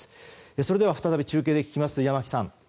それでは再び中継で聞きます山木さん。